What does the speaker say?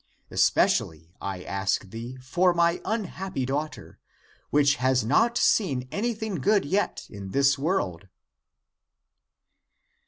Especially (I ask thee) for my unhappy daughter, which has not seen any thing good yet in this world.